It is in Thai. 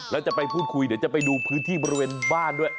แล้วจะไปพูดคุยเดี๋ยวจะไปดูพื้นที่บริเวณบ้านด้วย